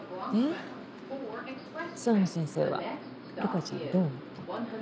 諏訪野先生は瑠香ちゃんどう思った？